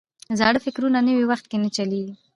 زاړه فکرونه نوي وخت کې نه چلیږي.